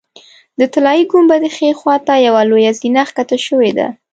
د طلایي ګنبدې ښي خوا ته یوه لویه زینه ښکته شوې ده.